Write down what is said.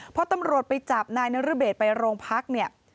พอตำรวจไปจับนายนรเบศไปโรงพักเนี่ย